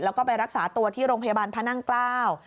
แล้วก็ไปรักษาตัวที่โรงพยาบาลพระนั่งเกล้า